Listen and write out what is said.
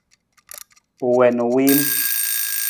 U wii na u wiim.